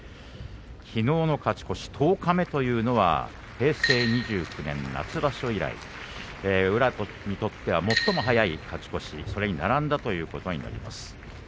きのうの勝ち越し十日目というのは平成２９年夏場所以来宇良にとっては最も早い勝ち越し、それに並んだということになります。